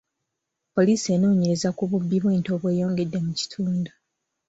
Poliisi enoonyereza ku bubbi bw'ente obweyongedde mu kitundu.